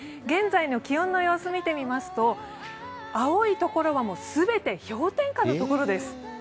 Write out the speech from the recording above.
現在の気温の様子を見てみますと、青いところは氷点下のところです。